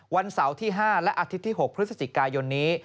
วันเสาร์ที่๕และอาทิตย์ที่๖พฤศจิกายนนี้